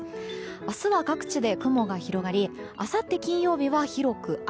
明日は各地で雲が広がりあさって金曜日は広く雨。